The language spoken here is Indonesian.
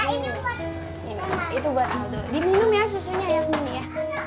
ini minum ya susunya ya